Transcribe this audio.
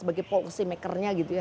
sebagai policy maker nya gitu ya